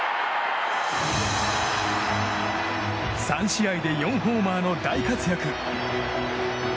３試合で４ホーマーの大活躍。